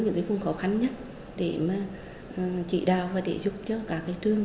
những phương khó khăn nhất để mà trị đào và để giúp cho cả cái trường